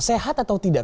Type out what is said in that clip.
sehat atau tidak